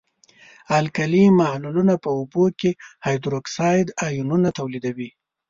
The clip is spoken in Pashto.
القلي محلولونه په اوبو کې هایدروکساید آیونونه تولیدوي.